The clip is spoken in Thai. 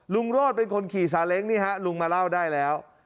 ลุงโรธเป็นคนขี่สาเล็งนี่ครับลุงมาเล่าได้แล้ว